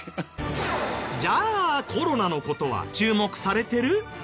じゃあコロナの事は注目されてる？